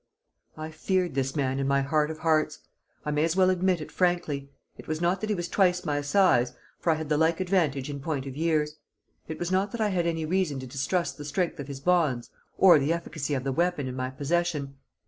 I feared this man in my heart of hearts. I may as well admit it frankly. It was not that he was twice my size, for I had the like advantage in point of years; it was not that I had any reason to distrust the strength of his bonds or the efficacy of the weapon in my possession.